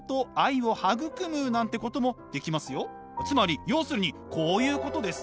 つまり要するにこういうことです。